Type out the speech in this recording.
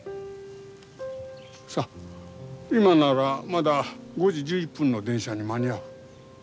さあ今ならまだ５時１１分の電車に間に合う。